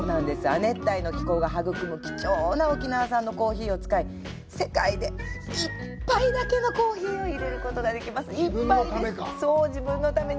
亜熱帯の気候が育む貴重な沖縄産のコーヒーを使い世界で一杯だけのコーヒーをいれることができます。